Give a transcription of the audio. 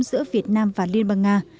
giữa việt nam và liên bang nga